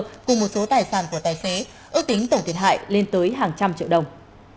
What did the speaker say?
cùng một số tài sản của tài xế ước tính tổng thiệt hại lên tới hàng trăm triệu đồng